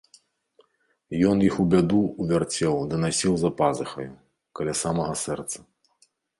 Ён іх у бяду ўвярцеў ды насіў за пазухаю, каля самага сэрца.